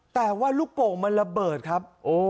แต่ว่าลูกโป่งมันระเบิดครับ